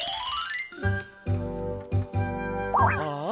ああ！